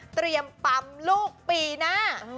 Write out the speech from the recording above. เตรียมปั๊มลูกปีหน้า